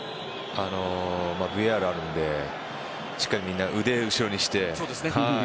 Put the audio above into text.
ＶＡＲがあるのでしっかりみんな腕を後ろにして。